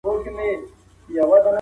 کله وسله والي ډلي وسلې ږدي؟